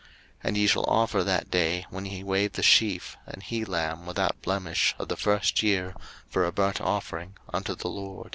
03:023:012 And ye shall offer that day when ye wave the sheaf an he lamb without blemish of the first year for a burnt offering unto the LORD.